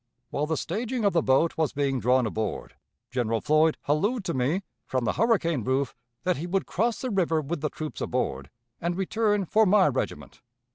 While the staging of the boat was being drawn aboard. General Floyd hallooed to me, from the 'hurricane roof,' that he would cross the river with the troops aboard and return for my regiment.